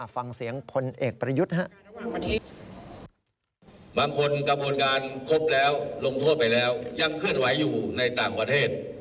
ฟังเสียงพลเอกประยุทธ์ฮะ